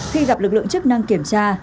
khi gặp lực lượng chức năng kiểm tra